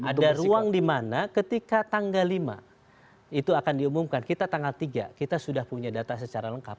ada ruang dimana ketika tanggal lima itu akan diumumkan kita tanggal tiga kita sudah punya data secara lengkap